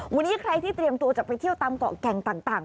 วันนี้ใครที่เตรียมตัวจะไปเที่ยวตามเกาะแก่งต่าง